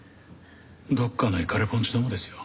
どっかのイカレポンチどもですよ。